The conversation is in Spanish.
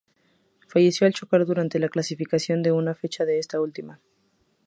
Falleció al chocar durante la clasificación de una fecha de esta última.